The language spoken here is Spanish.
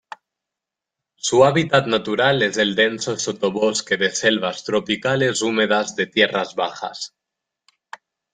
Su hábitat natural es el denso sotobosque de selvas tropicales húmedas de tierras bajas.